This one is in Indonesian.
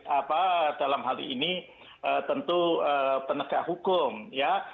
apa dalam hal ini tentu penegak hukum ya